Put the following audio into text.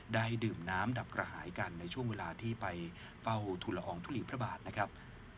ได้ดื่มน้ำดับกระหายกันในช่วงเวลาที่ไปเฝ้าทุลอองทุลีพระบาทนะครับ